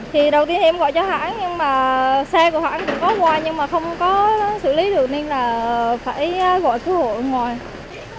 thì đầu tiên em gọi cho hãng nhưng mà xe của hãng cũng có qua nhưng mà không có xử lý được nên là phải gọi cứu hộ ở ngoài